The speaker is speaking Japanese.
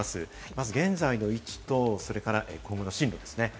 まず現在の位置と、それから今後の進路ですね。